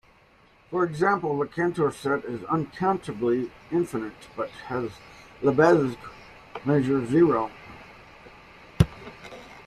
For example, the Cantor set is uncountably infinite, but has Lebesgue measure zero.